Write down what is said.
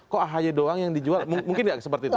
kok ahy doang yang dijual mungkin nggak seperti itu